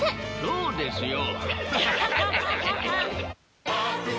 そうですよ。